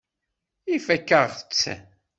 Ifakk-aɣ-tt.